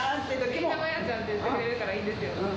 みんな麻椰ちゃんって言ってくれるからいいですよ。